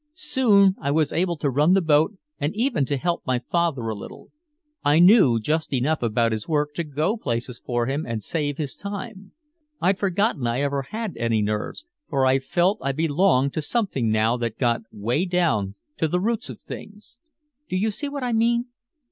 Soon I was able to run the boat and even to help my father a little. I knew just enough about his work to go places for him and save his time. I'd forgotten I ever had any nerves, for I felt I belonged to something now that got way down to the roots of things. Do you see what I mean?